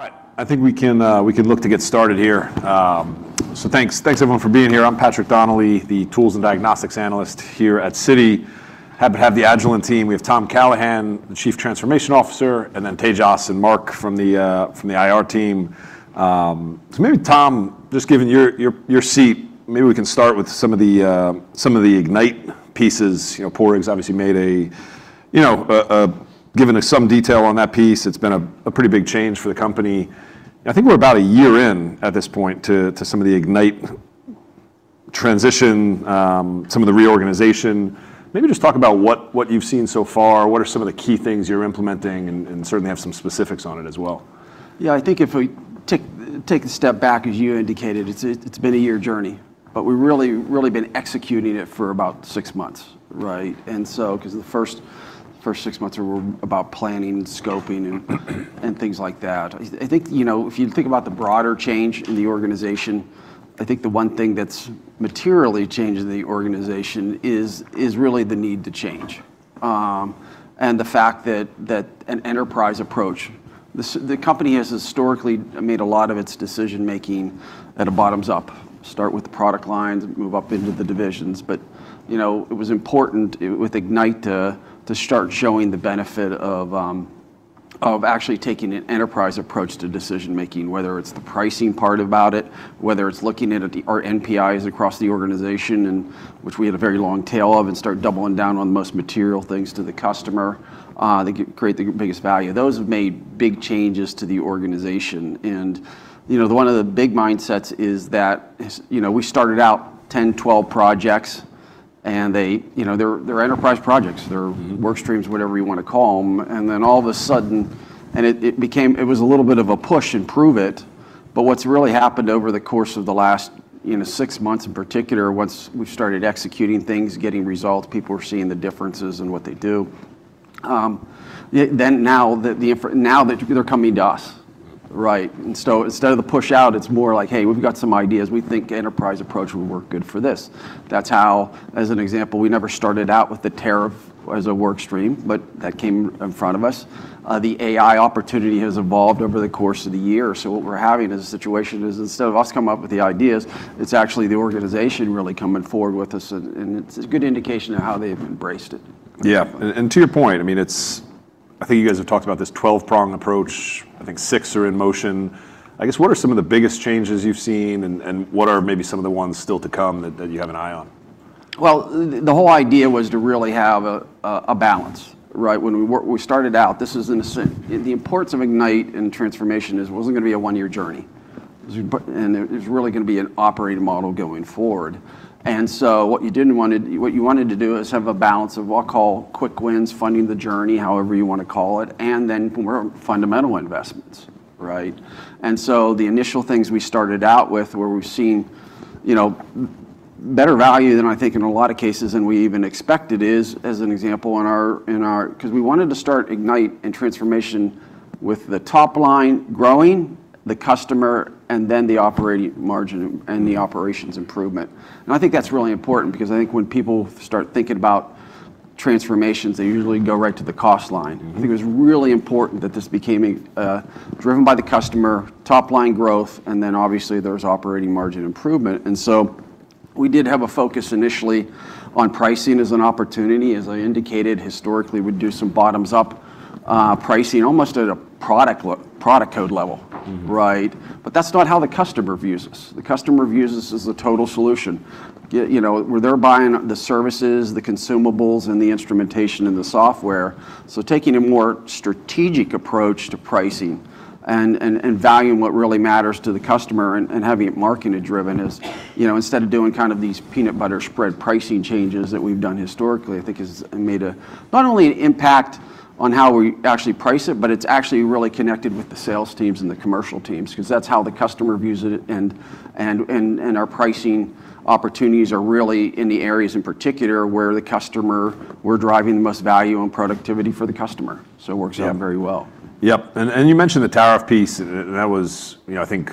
All right. I think we can look to get started here, so thanks, everyone, for being here. I'm Patrick Donnelly, the tools and diagnostics analyst here at Citi. Happy to have the Agilent team. We have Tom Callihan, the Chief Transformation Officer, and then Tejas and Mark from the IR team, so maybe, Tom, just given your seat, maybe we can start with some of the Ignite pieces. Padraig's obviously made a given us some detail on that piece. It's been a pretty big change for the company. I think we're about a year in at this point to some of the Ignite transition, some of the reorganization. Maybe just talk about what you've seen so far. What are some of the key things you're implementing, and certainly have some specifics on it as well. Yeah, I think if we take a step back, as you indicated, it's been a year journey, but we've really been executing it for about six months, right, and so because the first six months were about planning, scoping, and things like that. I think if you think about the broader change in the organization, I think the one thing that's materially changed in the organization is really the need to change, and the fact that an enterprise approach the company has historically made a lot of its decision-making at a bottoms-up, start with the product lines, move up into the divisions. But it was important with Ignite to start showing the benefit of actually taking an enterprise approach to decision-making, whether it's the pricing part about it, whether it's looking at our NPIs across the organization, which we had a very long tail of, and start doubling down on the most material things to the customer that create the biggest value. Those have made big changes to the organization. And one of the big mindsets is that we started out 10, 12 projects. And they're enterprise projects. They're work streams, whatever you want to call them. And then all of a sudden, and it was a little bit of a push and prove it. But what's really happened over the course of the last six months in particular, once we started executing things, getting results, people were seeing the differences in what they do. Now that they're coming to us, right? And so instead of the push out, it's more like, hey, we've got some ideas. We think enterprise approach will work good for this. That's how, as an example, we never started out with the tariff as a work stream, but that came in front of us. The AI opportunity has evolved over the course of the year. So what we're having is a situation instead of us coming up with the ideas, it's actually the organization really coming forward with us. And it's a good indication of how they've embraced it. Yeah, and to your point, I mean, I think you guys have talked about this 12-prong approach. I think six are in motion. I guess what are some of the biggest changes you've seen? And what are maybe some of the ones still to come that you have an eye on? The whole idea was to really have a balance, right? When we started out, this was the importance of Ignite and transformation. It wasn't going to be a one-year journey. It was really going to be an operating model going forward. So what you wanted to do is have a balance of what I'll call quick wins, funding the journey, however you want to call it, and then fundamental investments, right? The initial things we started out with were, we've seen better value than I think in a lot of cases we even expected is, as an example, on procurement because we wanted to start Ignite and transformation with the top line growing, the customer, and then the operating margin and the operations improvement. And I think that's really important because I think when people start thinking about transformations, they usually go right to the cost line. I think it was really important that this became driven by the customer, top line growth, and then obviously there's operating margin improvement. And so we did have a focus initially on pricing as an opportunity, as I indicated. Historically, we'd do some bottoms-up pricing almost at a product code level, right? But that's not how the customer views us. The customer views us as the total solution where they're buying the services, the consumables, and the instrumentation and the software. So taking a more strategic approach to pricing and valuing what really matters to the customer and having it marketed driven is instead of doing kind of these peanut butter spread pricing changes that we've done historically, I think has made not only an impact on how we actually price it, but it's actually really connected with the sales teams and the commercial teams because that's how the customer views it. And our pricing opportunities are really in the areas in particular where the customer we're driving the most value and productivity for the customer. So it works out very well. Yep. And you mentioned the tariff piece. That was, I think,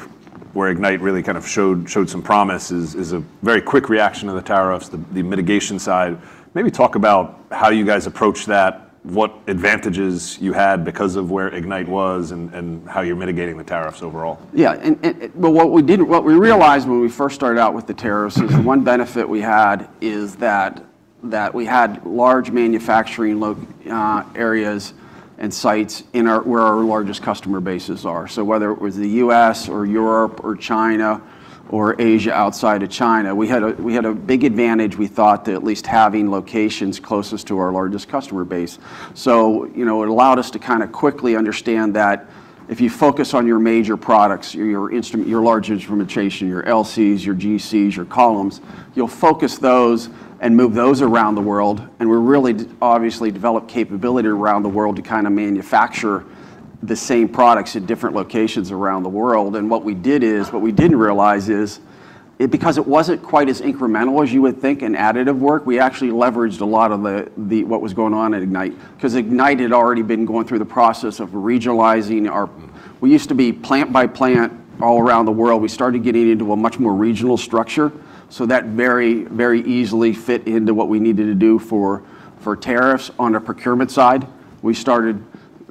where Ignite really kind of showed some promise is a very quick reaction to the tariffs, the mitigation side. Maybe talk about how you guys approached that, what advantages you had because of where Ignite was and how you're mitigating the tariffs overall? Yeah. Well, what we realized when we first started out with the tariffs is the one benefit we had is that we had large manufacturing areas and sites where our largest customer bases are. So whether it was the U.S. or Europe or China or Asia outside of China, we had a big advantage. We thought that at least having locations closest to our largest customer base. So it allowed us to kind of quickly understand that if you focus on your major products, your large instrumentation, your LCs, your GCs, your columns, you'll focus those and move those around the world. And we really obviously developed capability around the world to kind of manufacture the same products at different locations around the world. What we did is what we didn't realize is because it wasn't quite as incremental as you would think and additive work, we actually leveraged a lot of what was going on at Ignite. Because Ignite had already been going through the process of regionalizing. We used to be plant by plant all around the world. We started getting into a much more regional structure. That very, very easily fit into what we needed to do for tariffs on the procurement side. We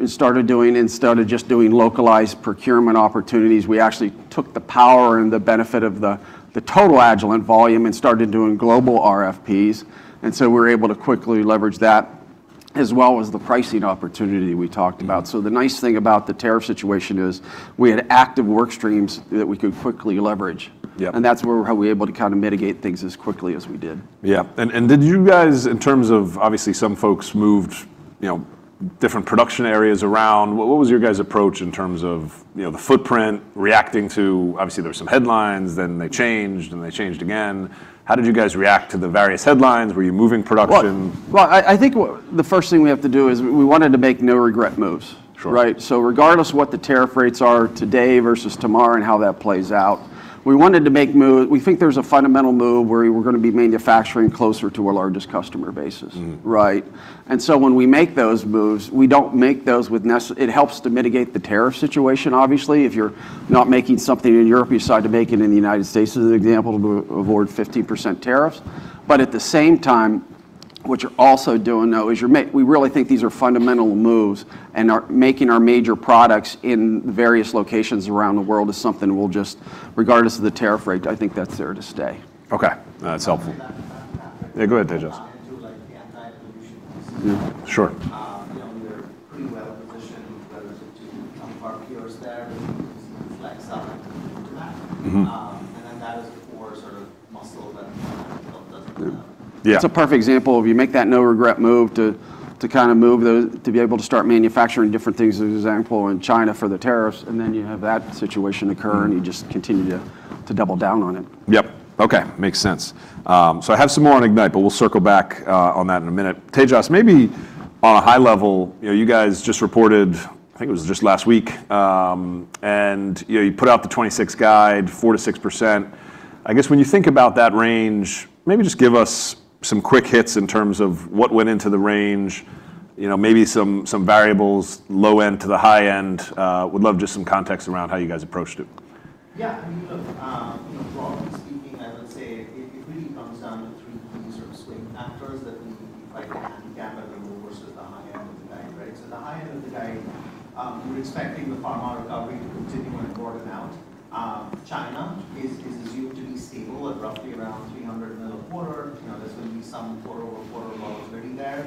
started doing instead of just doing localized procurement opportunities, we actually took the power and the benefit of the total Agilent volume and started doing global RFPs. We were able to quickly leverage that as well as the pricing opportunity we talked about. The nice thing about the tariff situation is we had active work streams that we could quickly leverage. That's where we were able to kind of mitigate things as quickly as we did. Yeah, and did you guys, in terms of obviously some folks moved different production areas around, what was your guys' approach in terms of the footprint reacting to obviously there were some headlines, then they changed, then they changed again. How did you guys react to the various headlines? Were you moving production? I think the first thing we have to do is we wanted to make no regret moves, right? Regardless of what the tariff rates are today versus tomorrow and how that plays out, we wanted to make moves. We think there's a fundamental move where we're going to be manufacturing closer to our largest customer bases, right? When we make those moves, we don't make those with it helps to mitigate the tariff situation, obviously. If you're not making something in Europe, you decide to make it in the United States as an example to avoid 15% tariffs. At the same time, what you're also doing though is we really think these are fundamental moves. Making our major products in various locations around the world is something we'll just regardless of the tariff rate, I think that's there to stay. Okay. That's helpful. Yeah, go ahead, Tejas. Sure. We're pretty well positioned relative to some of our peers there. We flex up to that. And then that is the core sort of muscle that. Yeah. It's a perfect example of you make that no regret move to kind of move to be able to start manufacturing different things, as an example, in China for the tariffs. And then you have that situation occur and you just continue to double down on it. Yep. Okay. Makes sense. So I have some more on Ignite, but we'll circle back on that in a minute. Tejas, maybe on a high level, you guys just reported, I think it was just last week, and you put out the 26 guide, 4%-6%. I guess when you think about that range, maybe just give us some quick hits in terms of what went into the range, maybe some variables low end to the high end. Would love just some context around how you guys approached it. Yeah. I mean, broadly speaking, I would say it really comes down to three key sort of swing factors that we like to handicap at the low versus the high end of the guide, right? So the high end of the guide, we're expecting the pharma recovery to continue and broaden out. China is assumed to be stable at roughly around $300 million a quarter. There's going to be some quarter-over-quarter volatility there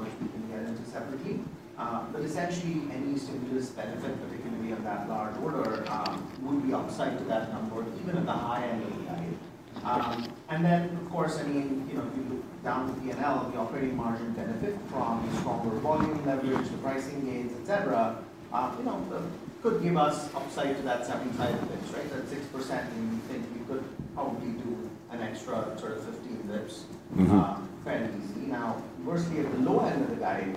which we can get into separately. But essentially, any stimulus benefit, particularly on that large order, would be upside to that number even at the high end of the guide. And then, of course, I mean, if you look down at the NL, the operating margin benefit from the stronger volume leverage, the pricing gains, et cetera, could give us upside to that 75 basis points, right? That 6%, we think we could probably do an extra sort of 15 basis points fairly easy. Now, worst case at the low end of the guide,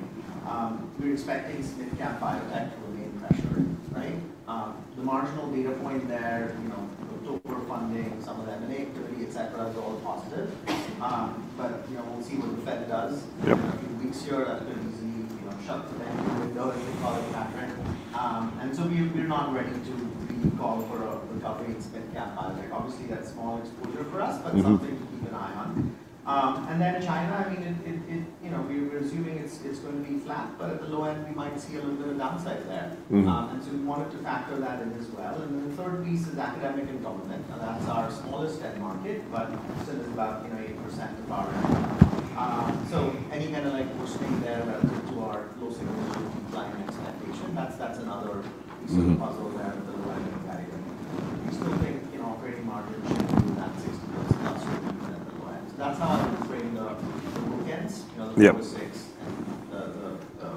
we're expecting SMID-cap biotech to remain pressured, right? The marginal data point there, October funding, some of the M&A activity, et cetera, is all positive. But we'll see what the Fed does. In a few weeks here, that could easily shut the window if we call it a pattern. And so we're not ready to really call for a recovery in SMID-cap biotech. Obviously, that's small exposure for us, but something to keep an eye on. And then China, I mean, we're assuming it's going to be flat, but at the low end, we might see a little bit of downside there. And so we wanted to factor that in as well. And then the third piece is academic and government. That's our smallest end market, but still is about 8% of our end market. So any kind of worsening there relative to our low single-digit client expectation, that's another piece of the puzzle there at the low end of the guide. We still think operating margin should be in that 60 basis points plus or even at the low end. So that's how I would frame the bookends, the 4 to 6 and the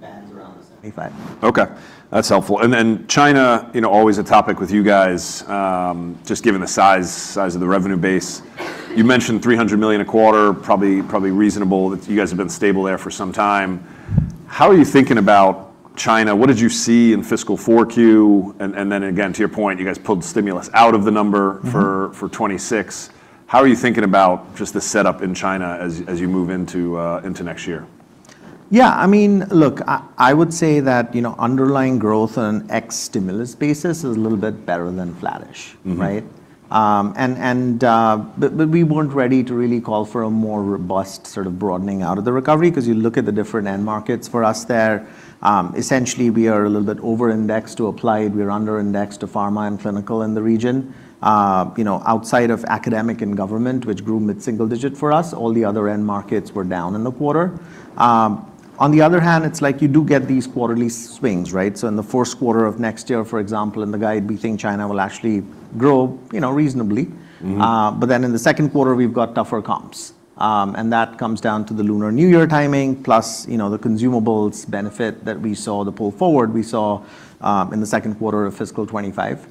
bands around the. 25. Okay. That's helpful. And then China, always a topic with you guys, just given the size of the revenue base. You mentioned $300 million a quarter, probably reasonable. You guys have been stable there for some time. How are you thinking about China? What did you see in fiscal 4Q? And then again, to your point, you guys pulled stimulus out of the number for 2026. How are you thinking about just the setup in China as you move into next year? Yeah. I mean, look, I would say that underlying growth on an ex-stimulus basis is a little bit better than flattish, right? But we weren't ready to really call for a more robust sort of broadening out of the recovery because you look at the different end markets for us there. Essentially, we are a little bit over-indexed to applied. We're under-indexed to pharma and clinical in the region. Outside of academic and government, which grew mid-single digit for us, all the other end markets were down in the quarter. On the other hand, it's like you do get these quarterly swings, right? So in the first quarter of next year, for example, in the guide, we think China will actually grow reasonably. But then in the second quarter, we've got tougher comps. And that comes down to the lunar new year timing plus the consumables benefit that we saw, the pull forward we saw in the second quarter of fiscal 2025.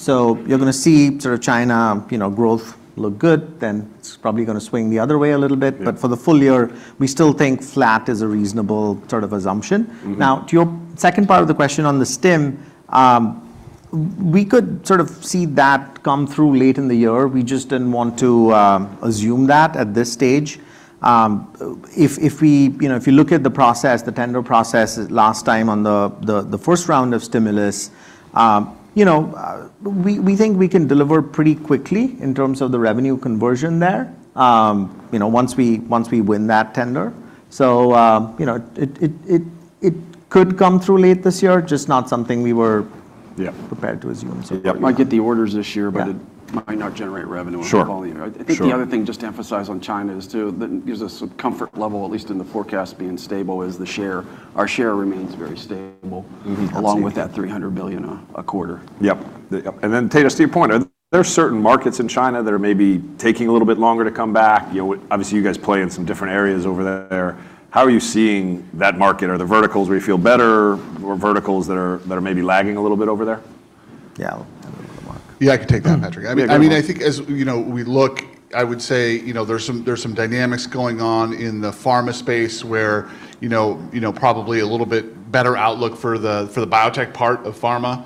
So you're going to see sort of China growth look good, then it's probably going to swing the other way a little bit. But for the full year, we still think flat is a reasonable sort of assumption. Now, to your second part of the question on the STIM, we could sort of see that come through late in the year. We just didn't want to assume that at this stage. If you look at the process, the tender process last time on the first round of stimulus, we think we can deliver pretty quickly in terms of the revenue conversion there once we win that tender. So it could come through late this year, just not something we were prepared to assume. Yeah. You might get the orders this year, but it might not generate revenue in the following year. I think the other thing just to emphasize on China is too that gives us some comfort level, at least in the forecast being stable, is our share remains very stable along with that 300 billion a quarter. Yep. And then, Tejas, to your point, are there certain markets in China that are maybe taking a little bit longer to come back? Obviously, you guys play in some different areas over there. How are you seeing that market? Are the verticals where you feel better or verticals that are maybe lagging a little bit over there? Yeah, Mark. Yeah, I can take that, Patrick. I mean, I think as we look, I would say there's some dynamics going on in the pharma space where probably a little bit better outlook for the biotech part of pharma.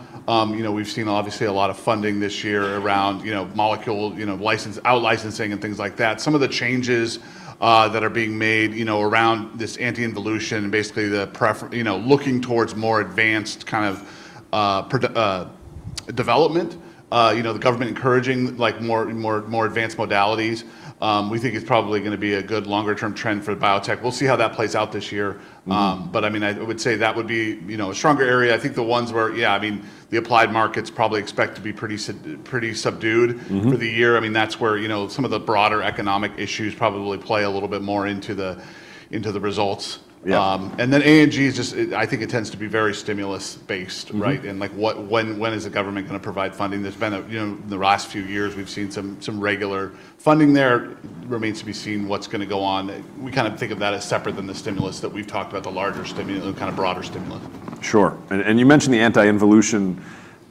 We've seen obviously a lot of funding this year around molecule outlicensing and things like that. Some of the changes that are being made around this anti-involution and basically the looking towards more advanced kind of development, the government encouraging more advanced modalities, we think is probably going to be a good longer-term trend for the biotech. We'll see how that plays out this year. But I mean, I would say that would be a stronger area. I think the ones where, yeah, I mean, the applied markets probably expect to be pretty subdued for the year. I mean, that's where some of the broader economic issues probably play a little bit more into the results. And then ANG is just, I think it tends to be very stimulus-based, right? And when is the government going to provide funding? In the last few years, we've seen some regular funding there. Remains to be seen what's going to go on. We kind of think of that as separate than the stimulus that we've talked about, the larger kind of broader stimulus. Sure. And you mentioned the anti-involution.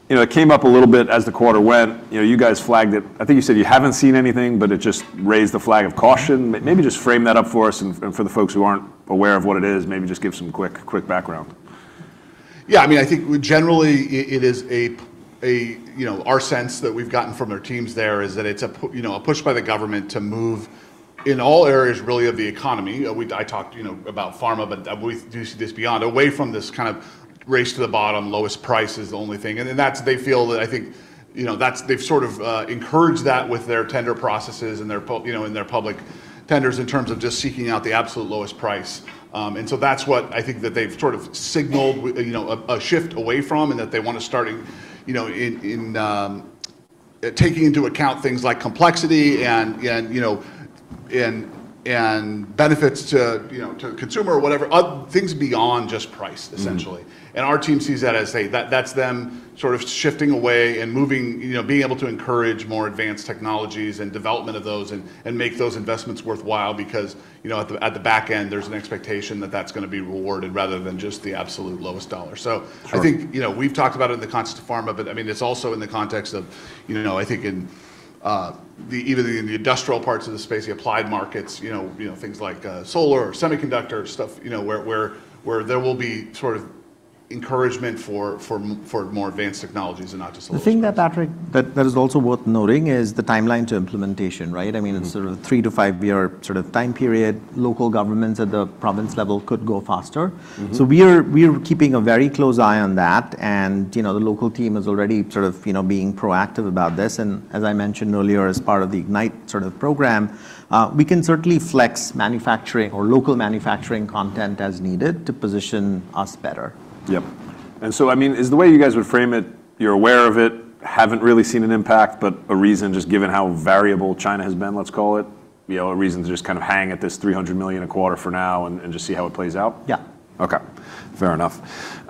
It came up a little bit as the quarter went. You guys flagged it. I think you said you haven't seen anything, but it just raised the flag of caution. Maybe just frame that up for us and for the folks who aren't aware of what it is. Maybe just give some quick background. Yeah. I mean, I think generally it is our sense that we've gotten from their teams there, that it's a push by the government to move in all areas really of the economy. I talked about pharma, but we do see this beyond away from this kind of race to the bottom, lowest price is the only thing. And they feel that I think they've sort of encouraged that with their tender processes and their public tenders in terms of just seeking out the absolute lowest price. And so that's what I think that they've sort of signaled a shift away from and that they want to start taking into account things like complexity and benefits to consumer or whatever, things beyond just price, essentially. Our team sees that as, hey, that's them sort of shifting away and being able to encourage more advanced technologies and development of those and make those investments worthwhile because at the back end, there's an expectation that that's going to be rewarded rather than just the absolute lowest dollar. I think we've talked about it in the context of pharma, but I mean, it's also in the context of, I think, even in the industrial parts of the space, the applied markets, things like solar or semiconductor stuff where there will be sort of encouragement for more advanced technologies and not just solutions. I think that, Patrick, that is also worth noting is the timeline to implementation, right? I mean, it's sort of a three-to-five-year sort of time period. Local governments at the province level could go faster. So we're keeping a very close eye on that. And the local team is already sort of being proactive about this. And as I mentioned earlier, as part of the Ignite sort of program, we can certainly flex manufacturing or local manufacturing content as needed to position us better. Yep. And so, I mean, is the way you guys would frame it, you're aware of it, haven't really seen an impact, but a reason just given how variable China has been, let's call it, a reason to just kind of hang at this $300 million a quarter for now and just see how it plays out? Yeah. Okay. Fair enough.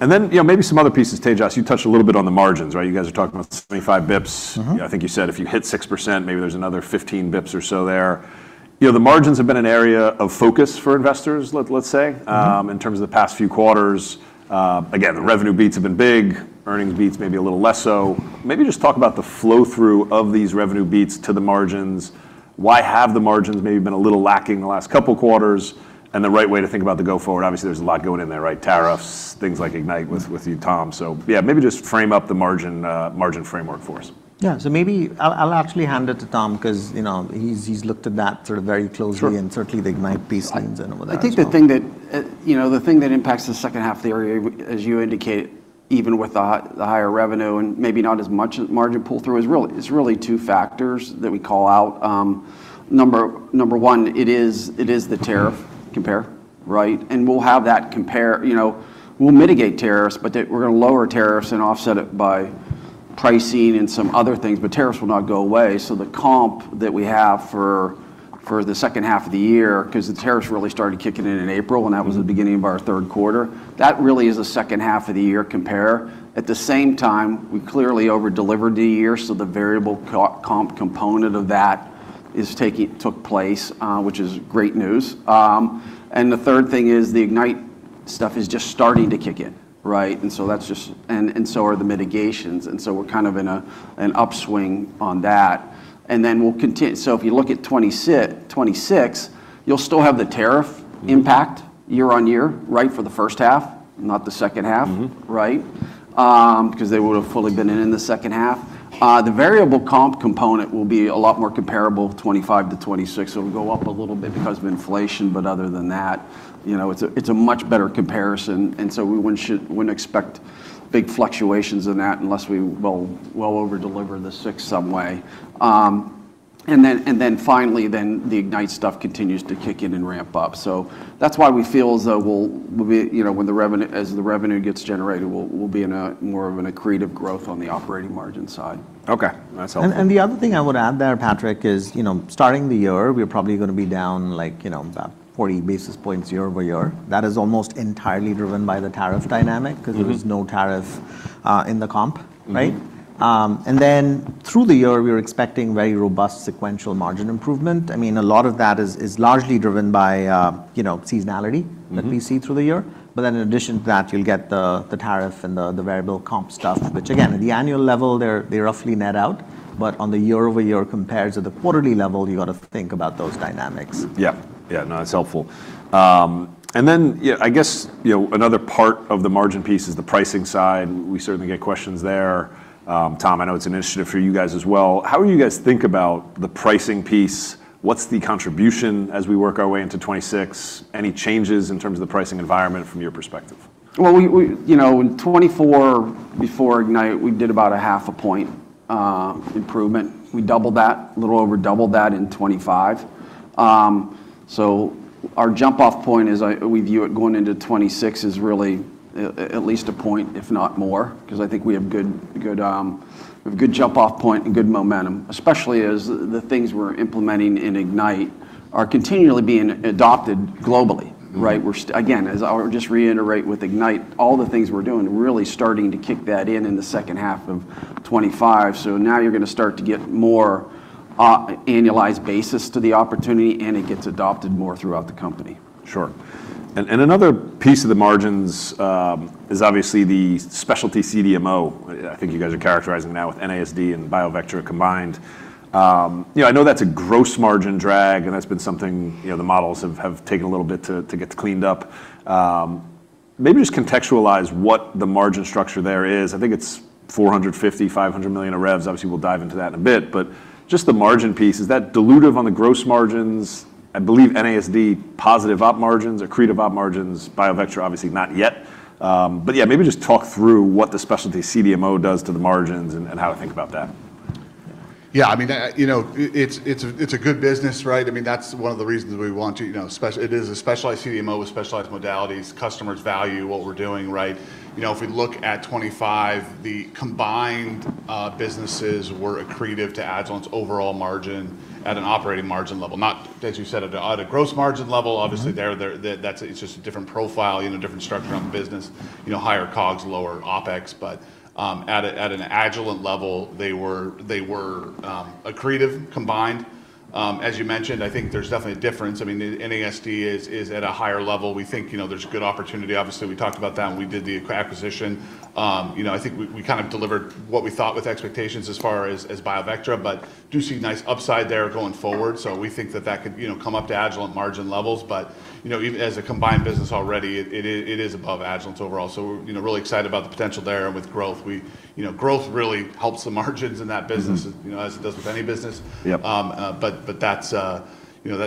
And then maybe some other pieces, Tejas, you touched a little bit on the margins, right? You guys are talking about 75 basis points. I think you said if you hit 6%, maybe there's another 15 basis points or so there. The margins have been an area of focus for investors, let's say, in terms of the past few quarters. Again, the revenue beats have been big. Earnings beats maybe a little less so. Maybe just talk about the flow through of these revenue beats to the margins. Why have the margins maybe been a little lacking the last couple of quarters? And the right way to think about the go forward. Obviously, there's a lot going in there, right? Tariffs, things like Ignite with you, Tom. So yeah, maybe just frame up the margin framework for us. Yeah. So maybe I'll actually hand it to Tom because he's looked at that sort of very closely and certainly the Ignite piece and all that. I think the thing that impacts the second half of the year, as you indicate, even with the higher revenue and maybe not as much margin pull-through, it's really two factors that we call out. Number one, it is the tariff compare, right? And we'll have that compare. We'll mitigate tariffs, but we're going to lower tariffs and offset it by pricing and some other things. But tariffs will not go away. So the comp that we have for the second half of the year, because the tariffs really started kicking in in April and that was the beginning of our third quarter, that really is a second half of the year compare. At the same time, we clearly over-delivered the year. So the variable comp component of that took place, which is great news. And the third thing is the Ignite stuff is just starting to kick in, right? That's just, and so are the mitigations. We're kind of in an upswing on that. Then we'll continue. If you look at 2026, you'll still have the tariff impact year-on-year, right, for the first half, not the second half, right? Because they would have fully been in the second half. The variable comp component will be a lot more comparable 2025 to 2026. It'll go up a little bit because of inflation, but other than that, it's a much better comparison. We wouldn't expect big fluctuations in that unless we well over-deliver the six some way. Finally, the Ignite stuff continues to kick in and ramp up. That's why we feel as though when the revenue, as the revenue gets generated, we'll be in more of an accretive growth on the operating margin side. Okay. That's helpful. And the other thing I would add there, Patrick, is starting the year, we're probably going to be down about 40 basis points year-over-year. That is almost entirely driven by the tariff dynamic because there is no tariff in the comp, right? And then through the year, we were expecting very robust sequential margin improvement. I mean, a lot of that is largely driven by seasonality that we see through the year. But then in addition to that, you'll get the tariff and the variable comp stuff, which again, at the annual level, they're roughly net out. But on the year-over-year compared to the quarterly level, you got to think about those dynamics. Yeah. Yeah. No, that's helpful. And then I guess another part of the margin piece is the pricing side. We certainly get questions there. Tom, I know it's an initiative for you guys as well. How do you guys think about the pricing piece? What's the contribution as we work our way into 2026? Any changes in terms of the pricing environment from your perspective? In 2024 before Ignite, we did about a half a point improvement. We doubled that, a little over doubled that in 2025. So our jump-off point is we view it going into 2026 is really at least a point, if not more, because I think we have a good jump-off point and good momentum, especially as the things we're implementing in Ignite are continually being adopted globally, right? Again, as I would just reiterate with Ignite, all the things we're doing are really starting to kick that in in the second half of 2025. So now you're going to start to get more annualized basis to the opportunity and it gets adopted more throughout the company. Sure. And another piece of the margins is obviously the specialty CDMO. I think you guys are characterizing it now with NASD and BioVectra combined. I know that's a gross margin drag and that's been something the models have taken a little bit to get cleaned up. Maybe just contextualize what the margin structure there is. I think it's $450 million-$500 million of revs. Obviously, we'll dive into that in a bit. But just the margin piece, is that dilutive on the gross margins? I believe NASD positive op margins, accretive op margins, BioVectra obviously not yet. But yeah, maybe just talk through what the specialty CDMO does to the margins and how to think about that. Yeah. I mean, it's a good business, right? I mean, that's one of the reasons we want to, it is a specialized CDMO with specialized modalities. Customers value what we're doing, right? If we look at 2025, the combined businesses were accretive to adjusted on its overall margin at an operating margin level, not as you said, at a gross margin level. Obviously, it's just a different profile, different structure on the business, higher COGS, lower OpEx. But at an Agilent level, they were accretive combined. As you mentioned, I think there's definitely a difference. I mean, NASD is at a higher level. We think there's good opportunity. Obviously, we talked about that when we did the acquisition. I think we kind of delivered what we thought with expectations as far as BioVectra, but do see nice upside there going forward. So we think that that could come up to Agilent margin levels. But even as a combined business already, it is above Agilent overall. So we're really excited about the potential there and with growth. Growth really helps the margins in that business as it does with any business. But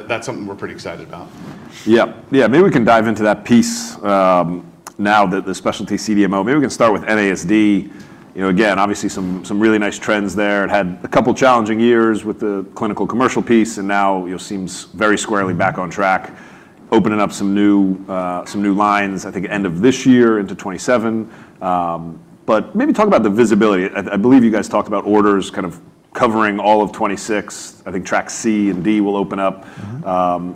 that's something we're pretty excited about. Yeah. Yeah. Maybe we can dive into that piece now, the specialty CDMO. Maybe we can start with NASD. Again, obviously some really nice trends there. It had a couple of challenging years with the clinical commercial piece and now seems very squarely back on track, opening up some new lines, I think end of this year into 2027. But maybe talk about the visibility. I believe you guys talked about orders kind of covering all of 2026. I think Train C and D will open up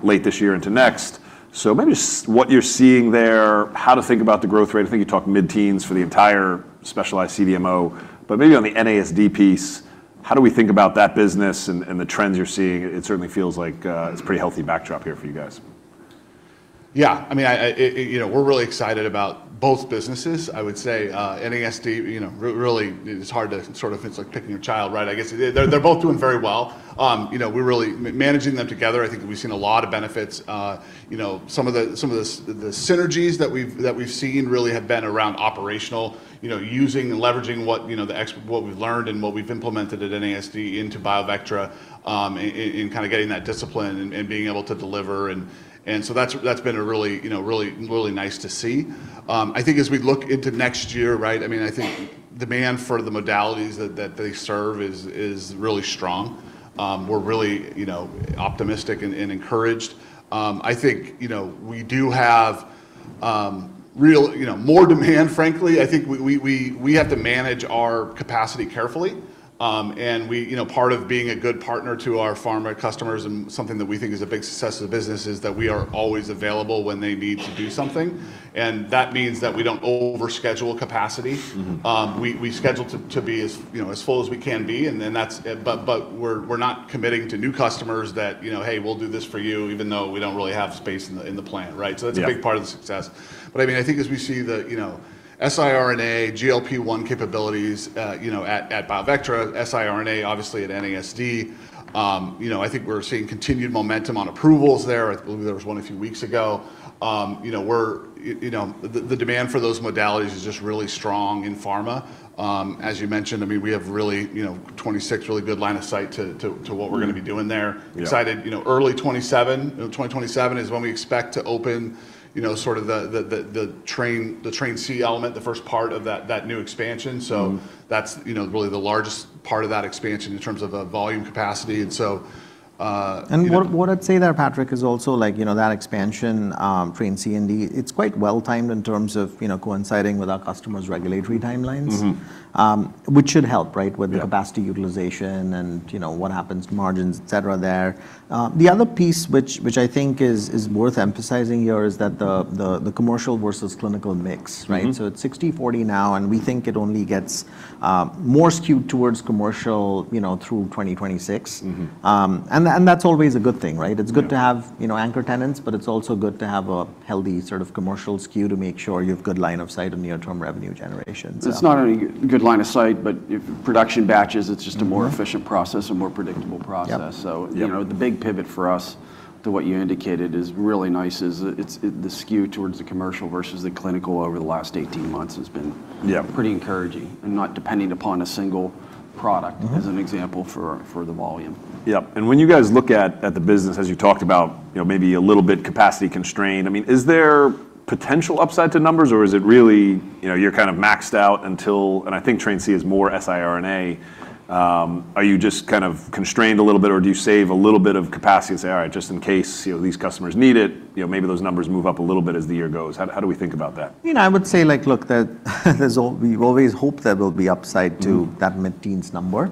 late this year into next. So maybe just what you're seeing there, how to think about the growth rate. I think you talked mid-teens for the entire specialized CDMO. But maybe on the NASD piece, how do we think about that business and the trends you're seeing? It certainly feels like it's a pretty healthy backdrop here for you guys. Yeah. I mean, we're really excited about both businesses. I would say NASD, really it's hard to sort of, it's like picking your child, right? I guess they're both doing very well. We're really managing them together. I think we've seen a lot of benefits. Some of the synergies that we've seen really have been around operational, using and leveraging what we've learned and what we've implemented at NASD into BioVectra and kind of getting that discipline and being able to deliver. And so that's been really, really nice to see. I think as we look into next year, right? I mean, I think demand for the modalities that they serve is really strong. We're really optimistic and encouraged. I think we do have more demand, frankly. I think we have to manage our capacity carefully. Part of being a good partner to our pharma customers and something that we think is a big success of the business is that we are always available when they need to do something. That means that we don't overschedule capacity. We schedule to be as full as we can be. But we're not committing to new customers that, hey, we'll do this for you even though we don't really have space in the plan, right? So that's a big part of the success. But I mean, I think as we see the siRNA, GLP-1 capabilities at BioVectra, siRNA obviously at NASD, I think we're seeing continued momentum on approvals there. I believe there was one a few weeks ago. The demand for those modalities is just really strong in pharma. As you mentioned, I mean, we have really good line of sight to what we're going to be doing there. Excited, early 2027 is when we expect to open sort of the Train C element, the first part of that new expansion. So that's really the largest part of that expansion in terms of volume capacity. And so. What I'd say there, Patrick, is also that expansion Train C and D. It's quite well timed in terms of coinciding with our customers' regulatory timelines, which should help, right, with the capacity utilization and what happens, margins, etc. there. The other piece which I think is worth emphasizing here is that the commercial versus clinical mix, right. It's 60/40 now, and we think it only gets more skewed towards commercial through 2026. That's always a good thing, right. It's good to have anchor tenants, but it's also good to have a healthy sort of commercial skew to make sure you have good line of sight and near-term revenue generation. It's not only good line of sight, but production batches. It's just a more efficient process, a more predictable process. So the big pivot for us to what you indicated is really nice is the skew towards the commercial versus the clinical over the last 18 months has been pretty encouraging and not depending upon a single product as an example for the volume. Yep. And when you guys look at the business, as you talked about, maybe a little bit capacity constrained. I mean, is there potential upside to numbers or is it really you're kind of maxed out until, and I think Train C is more siRNA? Are you just kind of constrained a little bit or do you save a little bit of capacity and say, all right, just in case these customers need it, maybe those numbers move up a little bit as the year goes? How do we think about that? I would say, look, we've always hoped there will be upside to that mid-teens number.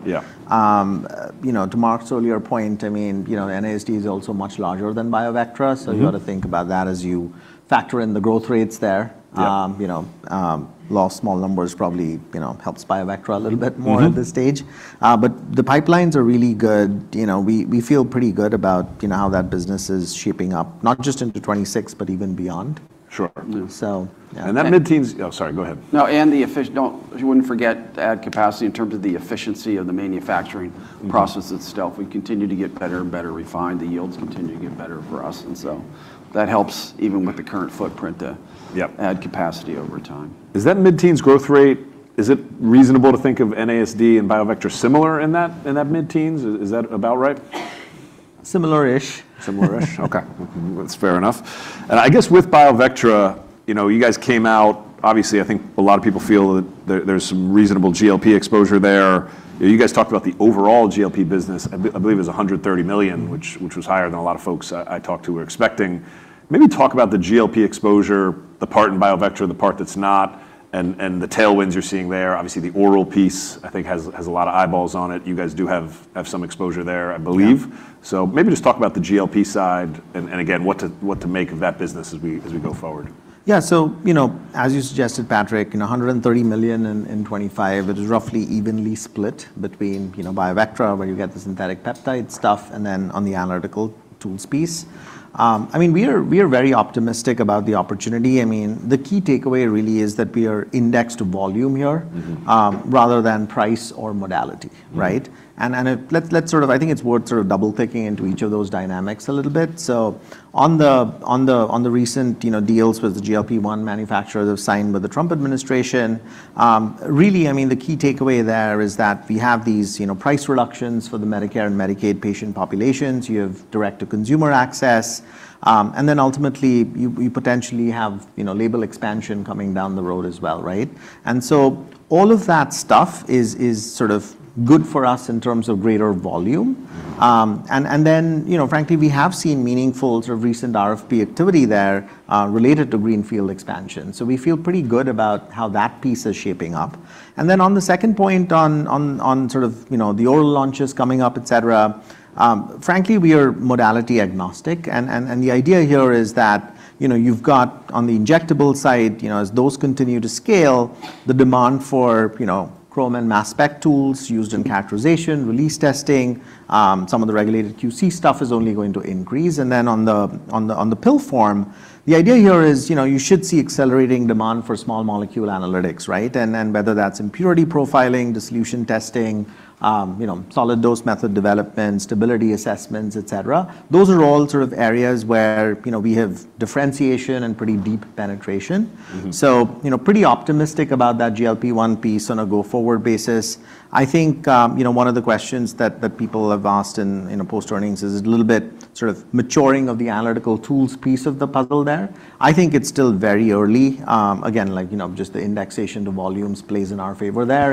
To Mark's earlier point, I mean, NASD is also much larger than BioVectra. So you got to think about that as you factor in the growth rates there. Low single numbers probably helps BioVectra a little bit more at this stage. But the pipelines are really good. We feel pretty good about how that business is shaping up, not just into 2026, but even beyond. Sure. And that mid-teens, oh, sorry, go ahead. No, and you wouldn't forget to add capacity in terms of the efficiency of the manufacturing process itself. We continue to get better and better refined. The yields continue to get better for us. And so that helps even with the current footprint to add capacity over time. Is that mid-teens growth rate, is it reasonable to think of NASD and BioVectra similar in that mid-teens? Is that about right? Similar-ish. Similar-ish. Okay. That's fair enough. And I guess with BioVectra, you guys came out, obviously. I think a lot of people feel that there's some reasonable GLP exposure there. You guys talked about the overall GLP business, I believe it was $130 million, which was higher than a lot of folks I talked to were expecting. Maybe talk about the GLP exposure, the part in BioVectra, the part that's not, and the tailwinds you're seeing there. Obviously, the oral piece, I think, has a lot of eyeballs on it. You guys do have some exposure there, I believe. So maybe just talk about the GLP side and again, what to make of that business as we go forward. Yeah. So, as you suggested, Patrick, $130 million in 2025, it is roughly evenly split between BioVectra where you get the synthetic peptide stuff and then on the analytical tools piece. I mean, we are very optimistic about the opportunity. I mean, the key takeaway really is that we are indexed to volume here rather than price or modality, right? And let's sort of, I think it's worth sort of double-clicking into each of those dynamics a little bit. So on the recent deals with the GLP-1 manufacturers that have signed with the Trump administration, really, I mean, the key takeaway there is that we have these price reductions for the Medicare and Medicaid patient populations. You have direct-to-consumer access. And then ultimately, you potentially have label expansion coming down the road as well, right? And so all of that stuff is sort of good for us in terms of greater volume. And then, frankly, we have seen meaningful sort of recent RFP activity there related to greenfield expansion. So we feel pretty good about how that piece is shaping up. And then on the second point on sort of the oral launches coming up, etc., frankly, we are modality agnostic. And the idea here is that you've got on the injectable side, as those continue to scale, the demand for chrom and mass spec tools used in characterization, release testing, some of the regulated QC stuff is only going to increase. And then on the pill form, the idea here is you should see accelerating demand for small molecule analytics, right? Whether that's impurity profiling, dissolution testing, solid dose method development, stability assessments, etc., those are all sort of areas where we have differentiation and pretty deep penetration. Pretty optimistic about that GLP-1 piece on a go-forward basis. I think one of the questions that people have asked in post-earnings is a little bit sort of maturing of the analytical tools piece of the puzzle there. I think it's still very early. Again, just the indexation to volumes plays in our favor there.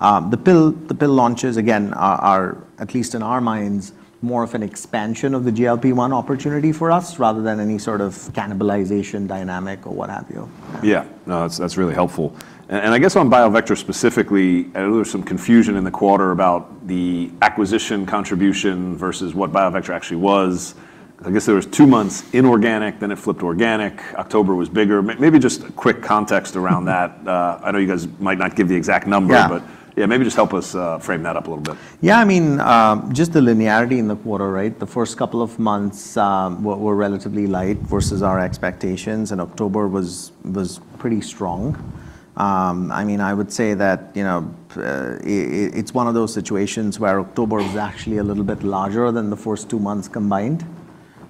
The pill launches, again, are at least in our minds, more of an expansion of the GLP-1 opportunity for us rather than any sort of cannibalization dynamic or what have you. Yeah. No, that's really helpful. And I guess on BioVectra specifically, I know there's some confusion in the quarter about the acquisition contribution versus what BioVectra actually was. I guess there was two months inorganic, then it flipped organic. October was bigger. Maybe just a quick context around that. I know you guys might not give the exact number, but yeah, maybe just help us frame that up a little bit. Yeah. I mean, just the linearity in the quarter, right? The first couple of months were relatively light versus our expectations, and October was pretty strong. I mean, I would say that it's one of those situations where October was actually a little bit larger than the first two months combined.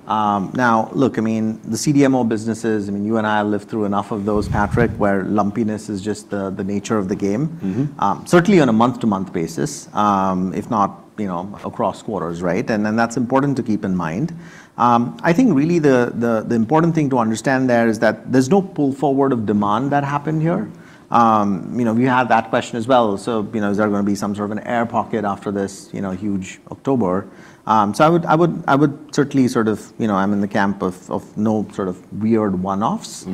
Now, look, I mean, the CDMO businesses, I mean, you and I have lived through enough of those, Patrick, where lumpiness is just the nature of the game, certainly on a month-to-month basis, if not across quarters, right, and then that's important to keep in mind. I think really the important thing to understand there is that there's no pull forward of demand that happened here. We had that question as well, so is there going to be some sort of an air pocket after this huge October? I would certainly sort of, I'm in the camp of no sort of weird one-offs.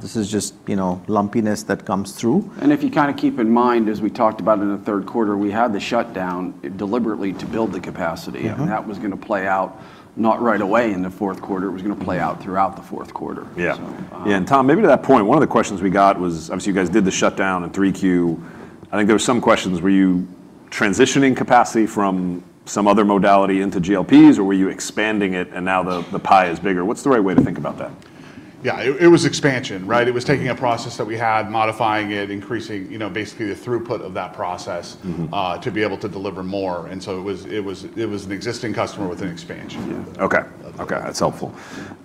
This is just lumpiness that comes through. If you kind of keep in mind, as we talked about in the third quarter, we had the shutdown deliberately to build the capacity. That was going to play out not right away in the fourth quarter. It was going to play out throughout the fourth quarter. Yeah. Yeah. And Tom, maybe to that point, one of the questions we got was, obviously, you guys did the shutdown in 3Q. I think there were some questions, were you transitioning capacity from some other modality into GLPs or were you expanding it and now the pie is bigger? What's the right way to think about that? Yeah. It was expansion, right? It was taking a process that we had, modifying it, increasing basically the throughput of that process to be able to deliver more. And so it was an existing customer with an expansion. That's helpful,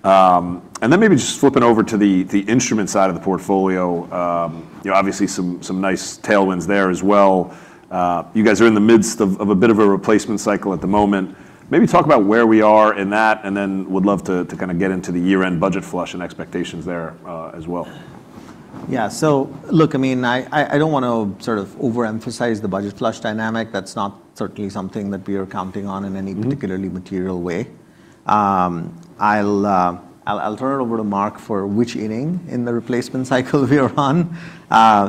and then maybe just flipping over to the instrument side of the portfolio, obviously some nice tailwinds there as well. You guys are in the midst of a bit of a replacement cycle at the moment. Maybe talk about where we are in that and then would love to kind of get into the year-end budget flush and expectations there as well. Yeah, so look, I mean, I don't want to sort of overemphasize the budget flush dynamic. That's not certainly something that we are counting on in any particularly material way. I'll turn it over to Mark for which inning in the replacement cycle we are on.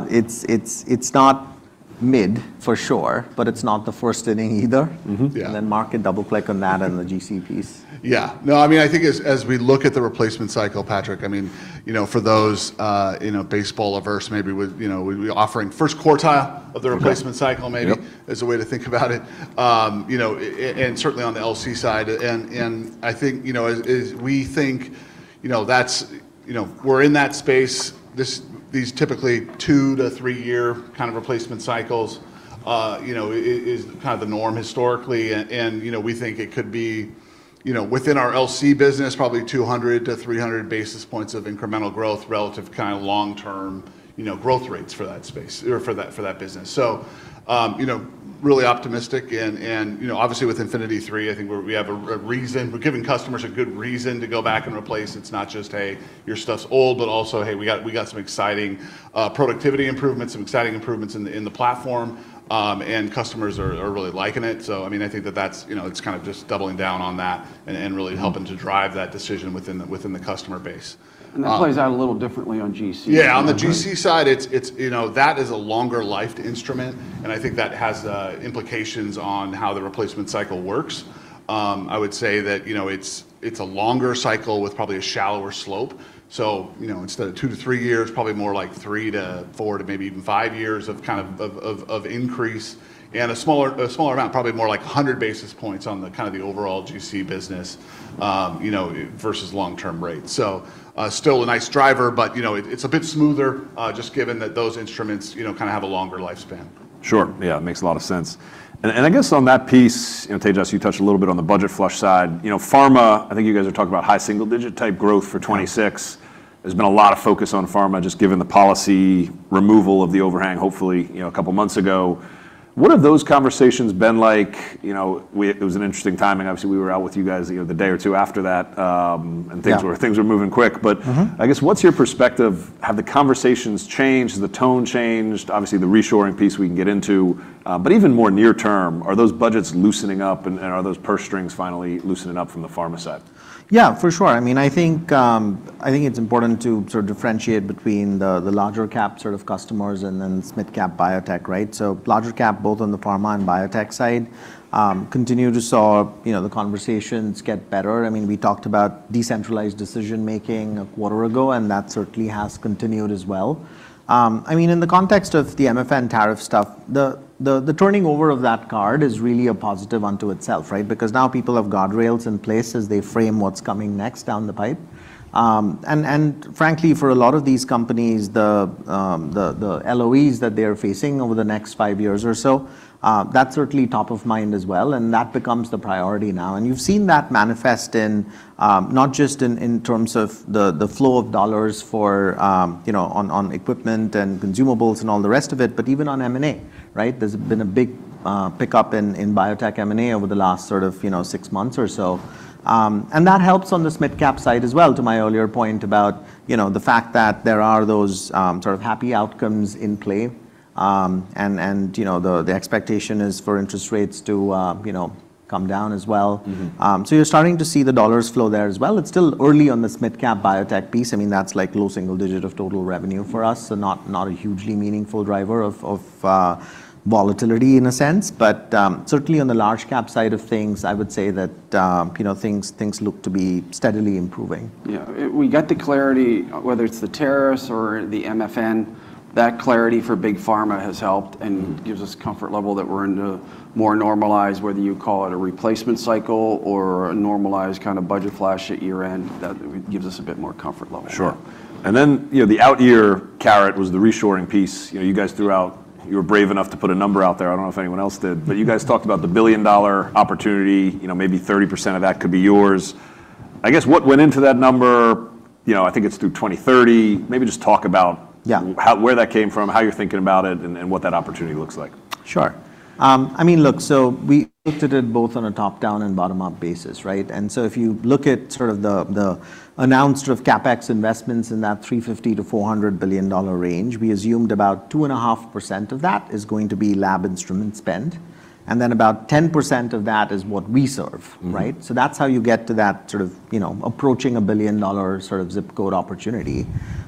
It's not mid for sure, but it's not the first inning either, and then Mark, you double-click on that and the GC piece. Yeah. No, I mean, I think as we look at the replacement cycle, Patrick, I mean, for those baseball averse, maybe we're offering first quartile of the replacement cycle maybe as a way to think about it. And certainly on the LC side. And I think as we think that we're in that space, these typically two to three-year kind of replacement cycles is kind of the norm historically. And we think it could be within our LC business, probably 200 to 300 basis points of incremental growth relative to kind of long-term growth rates for that space or for that business. So really optimistic. And obviously with Infinity III, I think we have a reason. We're giving customers a good reason to go back and replace. It's not just, hey, your stuff's old, but also, hey, we got some exciting productivity improvements, some exciting improvements in the platform, and customers are really liking it. So I mean, I think that that's kind of just doubling down on that and really helping to drive that decision within the customer base. That plays out a little differently on GC. Yeah. On the GC side, that is a longer-life instrument. And I think that has implications on how the replacement cycle works. I would say that it's a longer cycle with probably a shallower slope. So instead of two to three years, probably more like three to four to maybe even five years of kind of increase and a smaller amount, probably more like 100 basis points on the kind of the overall GC business versus long-term rate. So still a nice driver, but it's a bit smoother just given that those instruments kind of have a longer lifespan. Sure. Yeah. It makes a lot of sense. And I guess on that piece, Tejas, you touched a little bit on the budget flush side. Pharma, I think you guys are talking about high single-digit type growth for 2026. There's been a lot of focus on pharma just given the policy removal of the overhang, hopefully, a couple of months ago. What have those conversations been like? It was an interesting timing. Obviously, we were out with you guys the day or two after that and things were moving quick. But I guess what's your perspective? Have the conversations changed? Has the tone changed? Obviously, the reshoring piece we can get into, but even more near-term, are those budgets loosening up and are those purse strings finally loosening up from the pharma side? Yeah, for sure. I mean, I think it's important to sort of differentiate between the larger cap sort of customers and then mid-cap biotech, right? So larger cap, both on the pharma and biotech side, continue to see the conversations get better. I mean, we talked about decentralized decision-making a quarter ago and that certainly has continued as well. I mean, in the context of the MFN tariff stuff, the turning over of that card is really a positive in and of itself, right? Because now people have guardrails in place as they frame what's coming next down the pipe. And frankly, for a lot of these companies, the LOEs that they're facing over the next five years or so, that's certainly top of mind as well. And that becomes the priority now. And you've seen that manifest not just in terms of the flow of dollars on equipment and consumables and all the rest of it, but even on M&A, right? There's been a big pickup in biotech M&A over the last sort of six months or so. And that helps on the mid-cap side as well to my earlier point about the fact that there are those sort of happy outcomes in play. And the expectation is for interest rates to come down as well. So you're starting to see the dollars flow there as well. It's still early on the mid-cap biotech piece. I mean, that's like low single digit of total revenue for us. So not a hugely meaningful driver of volatility in a sense. But certainly on the large cap side of things, I would say that things look to be steadily improving. Yeah. We got the clarity, whether it's the tariffs or the MFN, that clarity for big pharma has helped and gives us comfort level that we're into more normalized, whether you call it a replacement cycle or a normalized kind of budget flash at year-end, that gives us a bit more comfort level. Sure. And then the out-year carrot was the reshoring piece. You guys threw out, you were brave enough to put a number out there. I don't know if anyone else did, but you guys talked about the billion-dollar opportunity, maybe 30% of that could be yours. I guess what went into that number? I think it's through 2030. Maybe just talk about where that came from, how you're thinking about it, and what that opportunity looks like. Sure. I mean, look, so we looked at it both on a top-down and bottom-up basis, right? And so if you look at sort of the announced sort of CapEx investments in that $350 billion-$400 billion range, we assumed about 2.5% of that is going to be lab instrument spend. And then about 10% of that is what we serve, right? So that's how you get to that sort of approaching a $1 billion sort of zip code opportunity.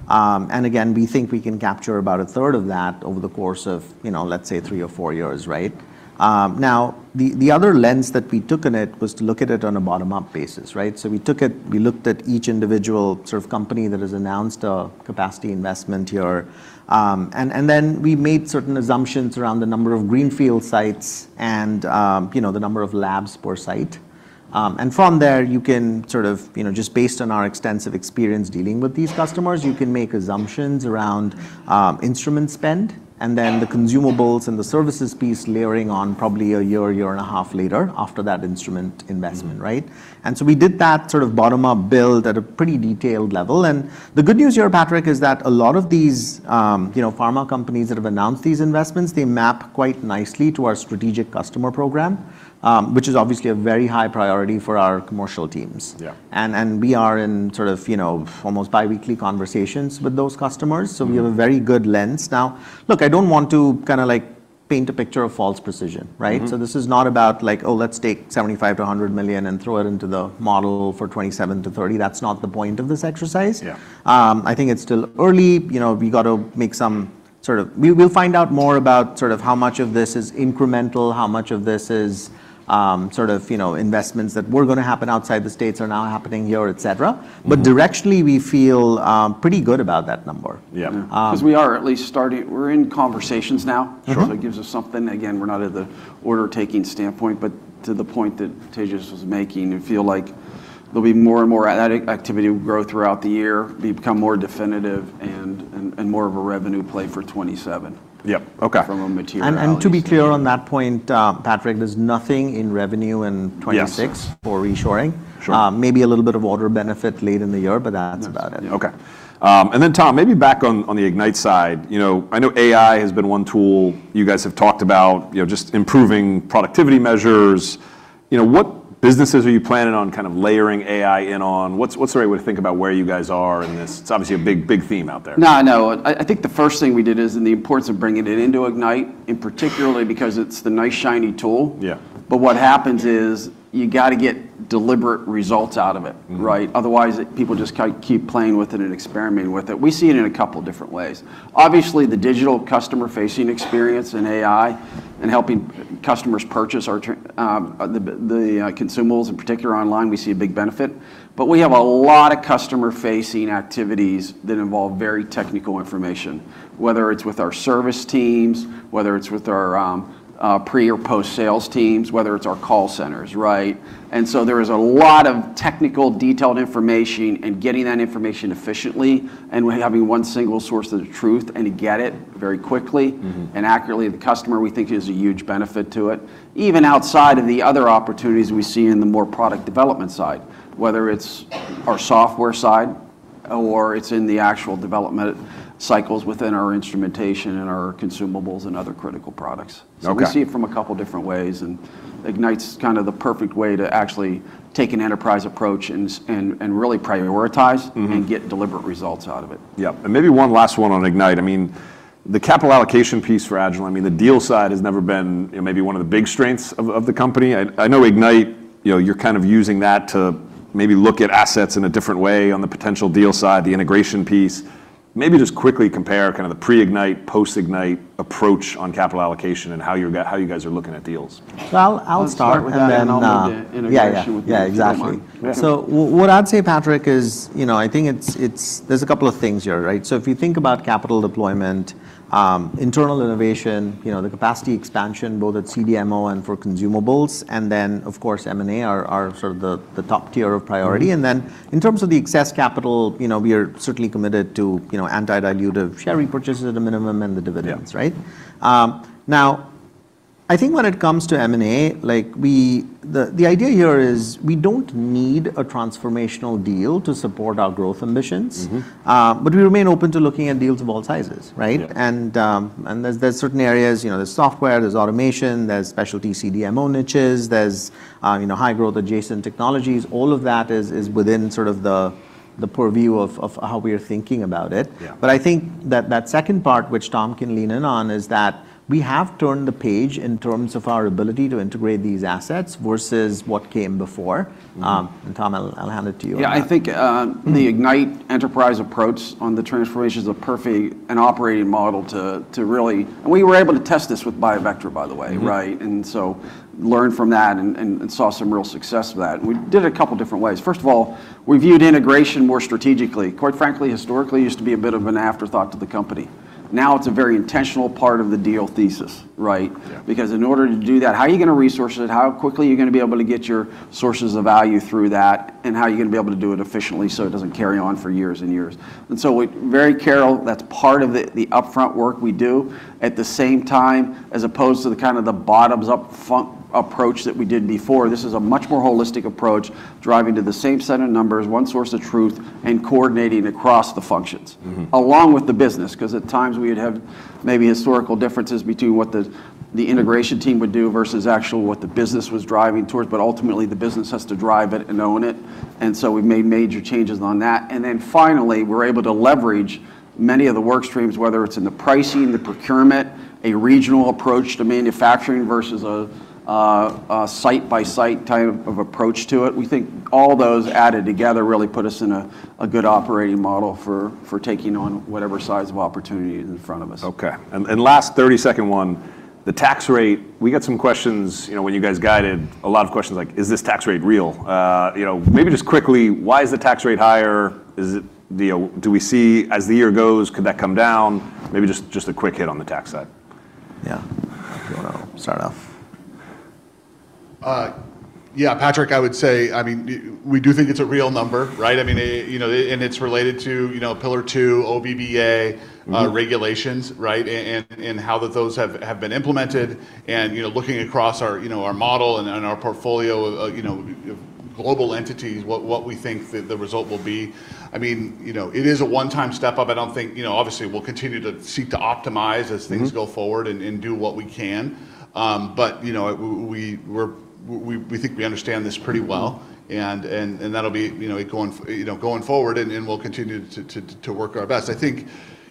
And again, we think we can capture about a third of that over the course of, let's say, three or four years, right? Now, the other lens that we took on it was to look at it on a bottom-up basis, right? So we took it, we looked at each individual sort of company that has announced a capacity investment here. And then we made certain assumptions around the number of greenfield sites and the number of labs per site. And from there, you can sort of, just based on our extensive experience dealing with these customers, you can make assumptions around instrument spend and then the consumables and the services piece layering on probably a year, year and a half later after that instrument investment, right? And so we did that sort of bottom-up build at a pretty detailed level. And the good news here, Patrick, is that a lot of these pharma companies that have announced these investments, they map quite nicely to our strategic customer program, which is obviously a very high priority for our commercial teams. And we are in sort of almost biweekly conversations with those customers. So we have a very good lens. Now, look, I don't want to kind of paint a picture of false precision, right? So this is not about like, oh, let's take $75 million-$100 million and throw it into the model for 2027 to 2030. That's not the point of this exercise. I think it's still early. We got to make some sort of, we'll find out more about sort of how much of this is incremental, how much of this is sort of investments that were going to happen outside the states are now happening here, etc. But directionally, we feel pretty good about that number. Yeah. Because we are at least starting, we're in conversations now. So it gives us something. Again, we're not at the order-taking standpoint, but to the point that Tejas was making, we feel like there'll be more and more activity will grow throughout the year, become more definitive, and more of a revenue play for 2027 from a material level. To be clear on that point, Patrick, there's nothing in revenue in 2026 for reshoring. Maybe a little bit of weather benefit late in the year, but that's about it. Okay. And then Tom, maybe back on the Ignite side. I know AI has been one tool you guys have talked about, just improving productivity measures. What businesses are you planning on kind of layering AI in on? What's the right way to think about where you guys are in this? It's obviously a big, big theme out there. No, I know. I think the first thing we did is the importance of bringing it into Ignite, particularly because it's the nice shiny tool. But what happens is you got to get deliberate results out of it, right? Otherwise, people just keep playing with it and experimenting with it. We see it in a couple of different ways. Obviously, the digital customer-facing experience and AI and helping customers purchase the consumables in particular online, we see a big benefit. But we have a lot of customer-facing activities that involve very technical information, whether it's with our service teams, whether it's with our pre or post-sales teams, whether it's our call centers, right? And so there is a lot of technical detailed information and getting that information efficiently and having one single source of truth and to get it very quickly and accurately. The customer, we think, has a huge benefit to it, even outside of the other opportunities we see in the more product development side, whether it's our software side or it's in the actual development cycles within our instrumentation and our consumables and other critical products. So we see it from a couple of different ways. And Ignite's kind of the perfect way to actually take an enterprise approach and really prioritize and get deliberate results out of it. Yeah. And maybe one last one on Ignite. I mean, the capital allocation piece for Agilent, I mean, the deal side has never been maybe one of the big strengths of the company. I know Ignite, you're kind of using that to maybe look at assets in a different way on the potential deal side, the integration piece. Maybe just quickly compare kind of the pre-Ignite, post-Ignite approach on capital allocation and how you guys are looking at deals. I'll start with the. And then I'll do the integration with the. Yeah, exactly. So what I'd say, Patrick, is I think there's a couple of things here, right? So if you think about capital deployment, internal innovation, the capacity expansion, both at CDMO and for consumables, and then, of course, M&A are sort of the top tier of priority. And then in terms of the excess capital, we are certainly committed to anti-dilutive share repurchases at a minimum and the dividends, right? Now, I think when it comes to M&A, the idea here is we don't need a transformational deal to support our growth ambitions, but we remain open to looking at deals of all sizes, right? And there's certain areas, there's software, there's automation, there's specialty CDMO niches, there's high-growth adjacent technologies. All of that is within sort of the purview of how we are thinking about it. But I think that that second part, which Tom can lean in on, is that we have turned the page in terms of our ability to integrate these assets versus what came before. And Tom, I'll hand it to you. Yeah. I think the Ignite enterprise approach on the transformation is a perfect and operating model to really, and we were able to test this with BioVectra, by the way, right? And so we learned from that and saw some real success with that. We did it a couple of different ways. First of all, we viewed integration more strategically. Quite frankly, historically, it used to be a bit of an afterthought to the company. Now it's a very intentional part of the deal thesis, right? Because in order to do that, how are you going to resource it? How quickly are you going to be able to get your sources of value through that? And how are you going to be able to do it efficiently so it doesn't carry on for years and years? And so very careful, that's part of the upfront work we do. At the same time, as opposed to the kind of the bottoms-up approach that we did before, this is a much more holistic approach, driving to the same set of numbers, one source of truth, and coordinating across the functions, along with the business. Because at times, we would have maybe historical differences between what the integration team would do versus actually what the business was driving towards, but ultimately, the business has to drive it and own it, and so we made major changes on that, and then finally, we're able to leverage many of the work streams, whether it's in the pricing, the procurement, a regional approach to manufacturing versus a site-by-site type of approach to it. We think all those added together really put us in a good operating model for taking on whatever size of opportunity is in front of us. Okay. Last 30-second one, the tax rate, we got some questions when you guys guided, a lot of questions like, is this tax rate real? Maybe just quickly, why is the tax rate higher? Do we see as the year goes, could that come down? Maybe just a quick hit on the tax side. Yeah. I don't know. Start off. Yeah, Patrick, I would say, I mean, we do think it's a real number, right? I mean, and it's related to Pillar Two, OBBA regulations, right? And how those have been implemented and looking across our model and our portfolio of global entities, what we think the result will be. I mean, it is a one-time step up. I don't think, obviously, we'll continue to seek to optimize as things go forward and do what we can. But we think we understand this pretty well. And that'll be going forward, and we'll continue to work our best. I think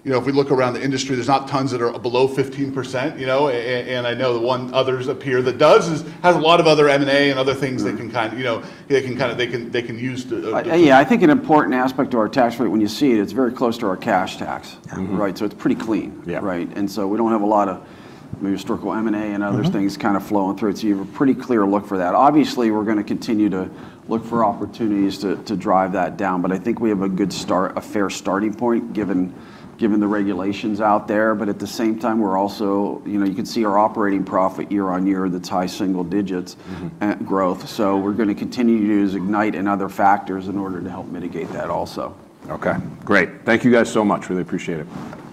if we look around the industry, there's not tons that are below 15%. And I know the one other that appears that does has a lot of other M&A and other things they can kind of, they can use to. Yeah. I think an important aspect of our tax rate, when you see it, it's very close to our cash tax, right? So it's pretty clean, right? And so we don't have a lot of historical M&A and other things kind of flowing through. So you have a pretty clear look for that. Obviously, we're going to continue to look for opportunities to drive that down, but I think we have a good start, a fair starting point given the regulations out there. But at the same time, we're also, you can see our operating profit year-on-year, the high single digits growth. So we're going to continue to use Ignite and other factors in order to help mitigate that also. Okay. Great. Thank you guys so much. Really appreciate it.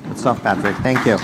Good stuff, Patrick. Thank you.